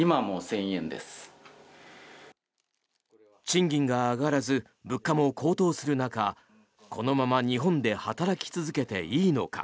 賃金が上がらず物価も高騰する中このまま日本で働き続けていいのか。